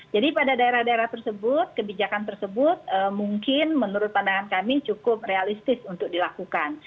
jadi pada daerah daerah tersebut kebijakan tersebut mungkin menurut pandangan kami cukup realistis untuk dilakukan